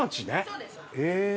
そうです。